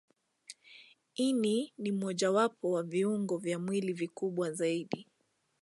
Ini ni mojawapo wa viungo vya mwili vikubwa zaidi.